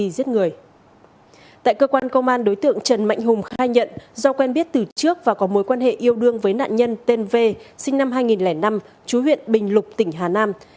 do quen biết từ trước và có mối quan hệ yêu đương với nạn nhân tên v sinh năm hai nghìn năm chú huyện bình lục tỉnh hà nam